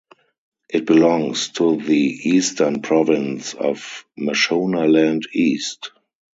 It belongs to the Eastern province of Mashonaland East.